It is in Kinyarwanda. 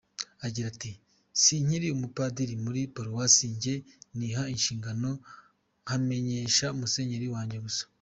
Agira ati “Si nkiri umupadiri muri paruwasi, njye niha inshingano nkamenyesha Musenyeri wanjye gusa.